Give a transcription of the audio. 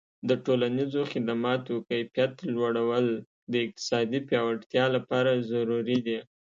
د ټولنیزو خدماتو کیفیت لوړول د اقتصادي پیاوړتیا لپاره ضروري دي.